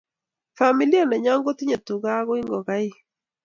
Familia nenyo kotinyei tuga ako ingokaik.